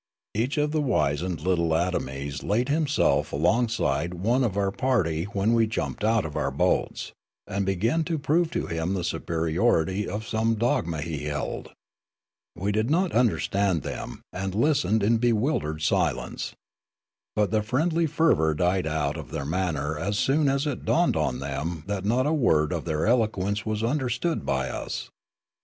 Each of the wizened little atomies laid himself along side of one of our party when we jumped out of our boats, and began to prove to him the superiority of some dogma he held. We did not understand them, and listened in bewildered silence. But the friendly fervour died out of their manner as soon as it dawned on them that not a word of their eloquence was under stood by us.